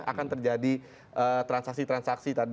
akan terjadi transaksi transaksi